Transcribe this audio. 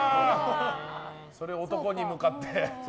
それを男に向かって。